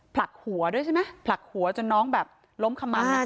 ผลักหัวด้วยใช่ไหมผลักหัวจนน้องแบบล้มขมัม